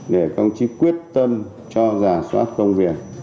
để công chí quyết tâm cho giả soát công việc